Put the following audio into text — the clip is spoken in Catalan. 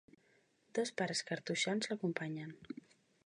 Dos pares cartoixans l'acompanyen.